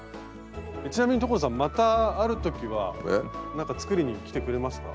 ちなみに所さんまたある時はなんか作りに来てくれますか？